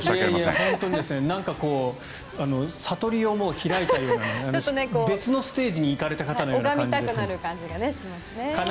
本当になんか悟りを開いたような別のステージに行かれた方のような。